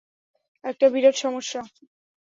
একটা বিরাট সমস্যা।